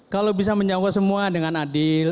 kalau bisa menjawab semua dengan adil